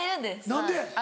何で？